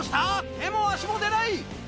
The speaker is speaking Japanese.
手も足も出ない。